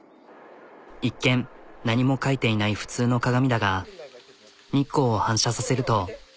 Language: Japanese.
一見何も書いていない普通の鏡だが日光を反射させると。